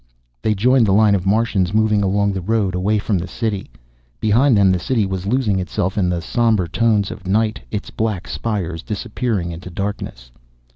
They joined the line of Martians moving along the road, away from the City. Behind them the City was losing itself in the sombre tones of night, its black spires disappearing into darkness.